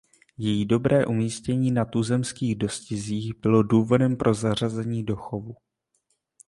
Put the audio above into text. Její dobré umístění na tuzemských dostizích bylo důvodem pro zařazení do chovu.